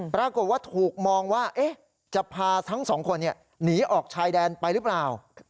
ปรากฏว่าถูกมองว่าจะพาทั้งสองคนหนีออกชายแดนไปหรือเปล่า